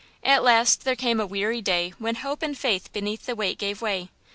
'At last there came a weary day when hope and faith beneath the weight gave way.'